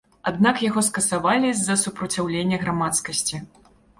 Аднак яго скасавалі з-за супраціўлення грамадскасці.